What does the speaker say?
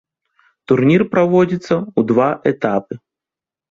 Турнір праводзіцца ў два этапы.